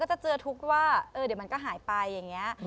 จะเจอทุกข์ว่าเดี๋ยวมันก็หายไปอย่างนี้